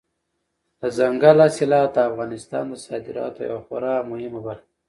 دځنګل حاصلات د افغانستان د صادراتو یوه خورا مهمه برخه ده.